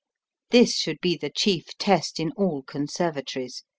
This should be the chief test in all conserv atories.